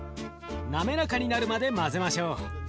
滑らかになるまで混ぜましょう。